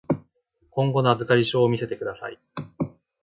今後の預かり証を見せてください。